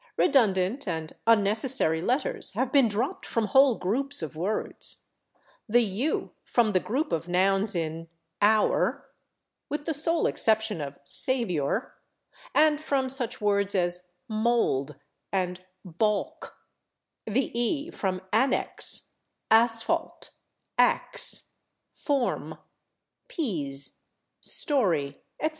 Redundant and unnecessary letters have been dropped from whole groups of words the /u/ from the group of nouns in / our/, with the sole exception of /Saviour/, and from such words as /mould/ and /baulk/; the /e/ from /annexe/, /asphalte/, /axe/, /forme/, /pease/, /storey/, etc.